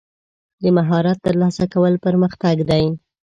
د مهارت ترلاسه کول پرمختګ دی.